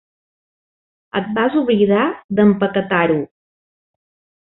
Et vas oblidar d'empaquetar-ho.